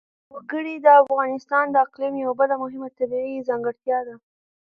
وګړي د افغانستان د اقلیم یوه بله مهمه طبیعي ځانګړتیا ده.